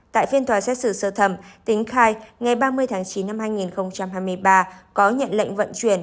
tại phiên tòa xét xử sơ thẩm tính khai ngày ba mươi tháng chín năm hai nghìn hai mươi ba có nhận lệnh vận chuyển